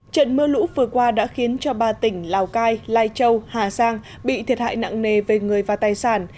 trận mưa lũ vừa qua đã khiến cho ba tỉnh lào cai lai châu hà giang bị thiệt hại nặng nề về người và tài sản